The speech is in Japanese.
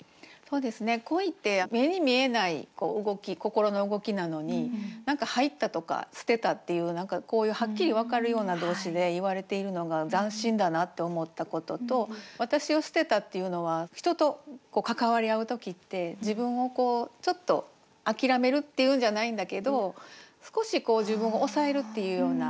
恋って目に見えない動き心の動きなのに入ったとか捨てたっていう何かこういうはっきり分かるような動詞で言われているのが斬新だなって思ったことと「私を捨てた」っていうのは人と関わり合う時って自分をこうちょっと諦めるっていうんじゃないんだけど少し自分を抑えるっていうような。